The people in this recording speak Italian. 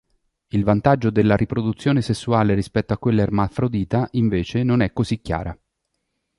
Il vantaggio della riproduzione sessuale rispetto a quella ermafrodita, invece, non è così chiara.